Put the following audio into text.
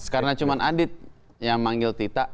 karena cuman adit yang manggil tita